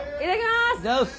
いただきます！